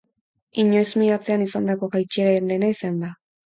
Inoiz maiatzean izandako jaitsiera handiena izan da.